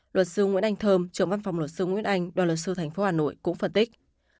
luật sư nguyễn anh thơm trưởng văn phòng luật sư nguyễn anh đoàn luật sư tp hà nội cũng phân tích